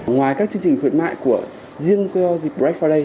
ngoài các chương trình khuyến mại của riêng kyoji breakfast day